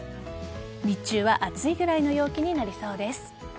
日中は暑いぐらいの陽気になりそうです。